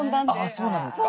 そうなんですか。